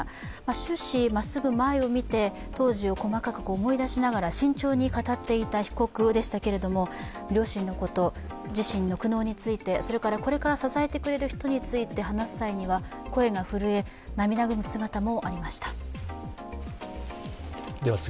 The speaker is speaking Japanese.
終始、まっすぐ前を見て当時を細かく思い出しながら慎重に語っていた被告でしたけれども、両親のこと、自身の苦悩についてそれから、これから支えてくれる人について話す際には声が震え、涙ぐむ姿もありました。